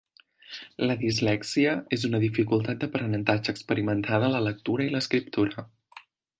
La dislèxia és una dificultat d'aprenentatge experimentada en la lectura i l'escriptura.